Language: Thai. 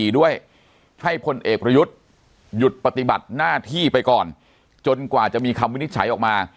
ด้วยให้พลเอกประยุทธ์หยุดปฏิบัติหน้าที่ไปก่อนจนกว่าจะมีคำวินิจฉัยออกมา